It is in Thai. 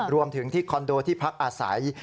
รวมถึงที่คอนโดที่พักอาศัย